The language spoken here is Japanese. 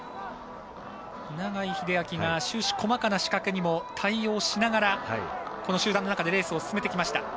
永井秀昭が終始、細かな仕掛けにも対応しながら、集団の中でレースを進めてきました。